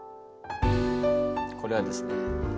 これはですね